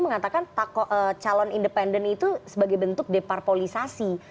mengatakan calon independen itu sebagai bentuk deparpolisasi